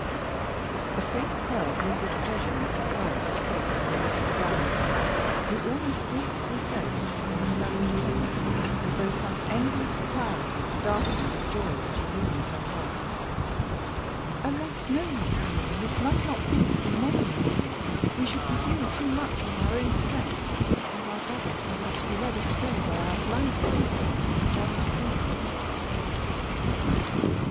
A faint cry of mingled pleasure and surprise escaped from the lips of Valentine, who almost instantly said, in a saddened tone, as though some envious cloud darkened the joy which illumined her heart: "Alas, no, Maximilian, this must not be, for many reasons. We should presume too much on our own strength, and, like others, perhaps, be led astray by our blind confidence in each other's prudence."